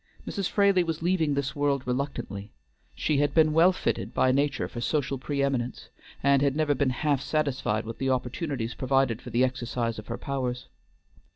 Mrs. Fraley was leaving this world reluctantly; she had been well fitted by nature for social preeminence, and had never been half satisfied with the opportunities provided for the exercise of her powers.